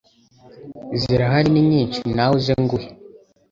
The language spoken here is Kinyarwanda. Zirahari ni nyinshi nawe uze nguhe